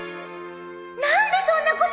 何でそんなことしたの！？